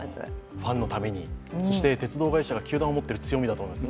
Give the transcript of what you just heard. ファンのためにそして鉄道会社が球団を持ってるという強みでもあります